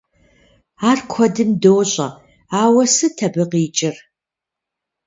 Ар куэдым дощӏэ, ауэ сыт абы къикӏыр?